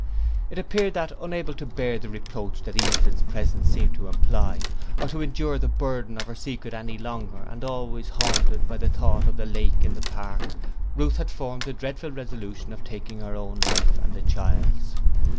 It appeared that, unable to bear the reproach that Easton's presence seemed to imply, or to endure the burden of her secret any longer, and always haunted by the thought of the lake in the park, Ruth had formed the dreadful resolution of taking her own life and the child's.